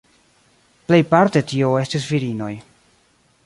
Plejparte tio estis virinoj.